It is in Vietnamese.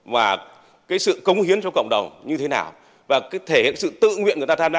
và cái sự cống hiến cho cộng đồng như thế nào và thể hiện sự tự nguyện người ta tham gia